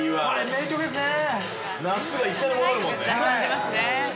◆名曲ですね。